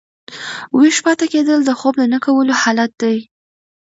ویښ پاته کېدل د خوب نه کولو حالت دئ.